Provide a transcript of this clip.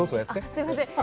すいません。